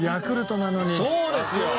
そうですよ。